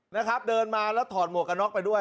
นะครับเดินมาแล้วถอดหมวกกันน็อกไปด้วย